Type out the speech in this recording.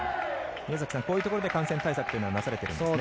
宮崎さん、こういうところで感染対策はなされているんですね。